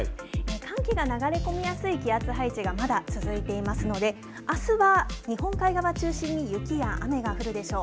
寒気が流れ込みやすい気圧配置が、まだ続いていますので、あすは日本海側中心に雪や雨が降るでしょう。